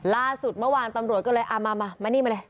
ล่าสุดเมื่อวานตำรวจก็เลยเอามามานี่มาเลย